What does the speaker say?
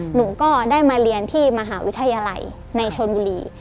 หนูก็ได้มาเรียนที่มหาวิทยาลัยในชนบุรี